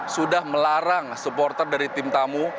sudah melarang supporter dari tim tamu